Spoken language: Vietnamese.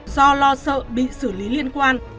do lo sợ bị xử lý liên quan